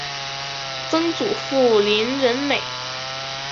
曾祖父林仁美。